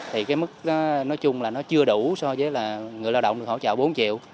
thì cái mức nói chung là nó chưa đủ so với là người lao động được hỗ trợ bốn triệu